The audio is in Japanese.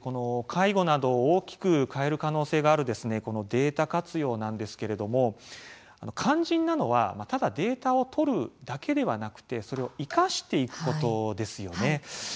この介護などを大きく変える可能性があるデータ活用なんですけれども肝心なのはただデータを取るだけではなくてそれを生かしていくことですよね。